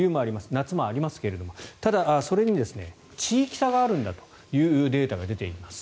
夏もありますがただ、それに地域差があるんだというデータが出ています。